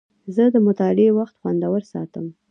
زه د مطالعې وخت خوندور ساتم.